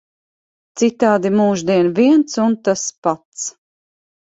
Citādi mūždien viens un tas pats.